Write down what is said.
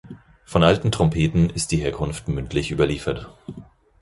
Von alten Trompeten ist die Herkunft mündlich überliefert.